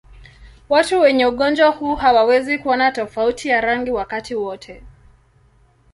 Watu wenye ugonjwa huu hawawezi kuona tofauti ya rangi wakati wote.